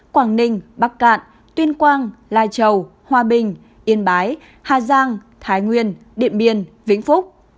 quảng ninh bắc cạn tuyên quang lai châu hòa bình yên bái hà giang thái nguyên điện biên vĩnh phúc